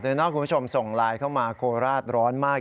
ด้วยนะครับคุณผู้ชมส่งไลน์เข้ามาโคราชร้อนมาก